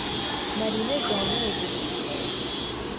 Марина джанэр ыдыщт.